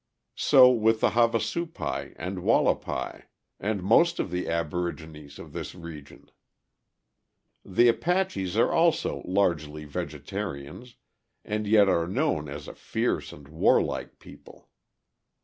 So with the Havasupais and Wallapais, and most of the aborigines of this region. The Apaches also are largely vegetarians, and yet are known as a fierce and warlike people.